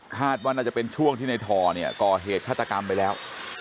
ว่าน่าจะเป็นช่วงที่ในทอเนี่ยก่อเหตุฆาตกรรมไปแล้ว